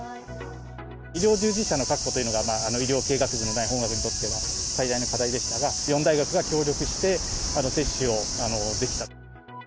医療従事者の確保というのが、医療系学部のない本学にとっては最大の課題でしたが、４大学が協力して接種をできたと。